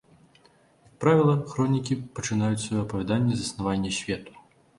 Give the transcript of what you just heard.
Як правіла, хронікі пачынаюць сваё апавяданне з заснавання свету.